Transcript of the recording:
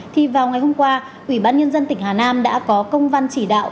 thì vào ngày hôm qua ủy ban nhân dân tỉnh hà nam đã có công văn chỉ đạo